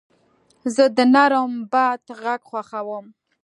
زه د نرم باد غږ خوښوم.